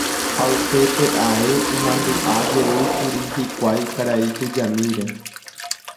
Ha upépe ae imandu'ajeýkuri hikuái karai tujamíre.